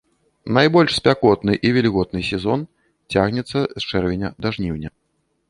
Найбольш спякотны і вільготны сезон цягнецца з чэрвеня да жніўня.